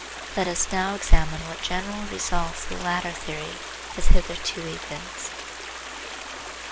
Let us now examine what general results the latter theory has hitherto evinced.